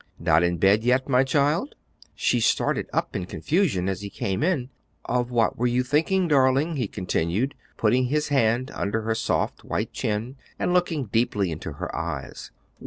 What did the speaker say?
"Not in bed yet, my child?" She started up in confusion as he came in. "Of what were you thinking, darling?" he continued, putting his hand under her soft white chin and looking deeply into her eyes.